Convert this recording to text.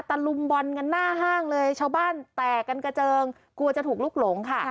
ลุมบอลกันหน้าห้างเลยชาวบ้านแตกกันกระเจิงกลัวจะถูกลุกหลงค่ะ